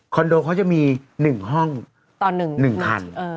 คอนโดเขาจะมีหนึ่งห้องต่อหนึ่งหนึ่งคันเออ